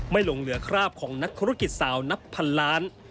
หลงเหลือคราบของนักธุรกิจสาวนับพันล้าน